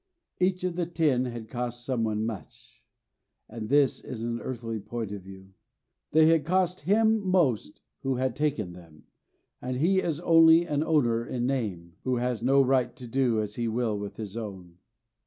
Each of the ten had cost someone much. But this is an earthly point of view. They had cost Him most who had taken them, and he is only an owner in name who has no right to do as he will with his own.